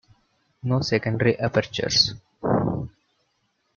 No secondary apertures.